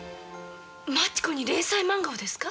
マチ子に連載漫画をですか？